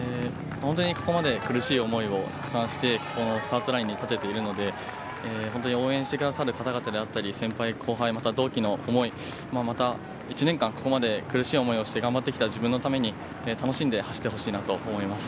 本当にここまで苦しい思いもたくさんして、スタートラインに立てているので、応援してくださる方々であったり、先輩、後輩、同期の思い、１年間ここまで苦しい思いをして頑張ってきた自分のために楽しんで走ってほしいなと思います。